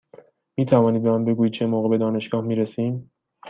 می توانید به من بگویید چه موقع به دانشگاه می رسیم؟